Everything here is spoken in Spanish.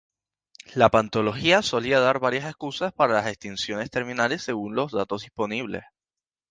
La paleontología solía dar varias causas para las extinciones terminales según los datos disponibles.